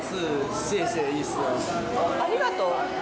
ありがとう？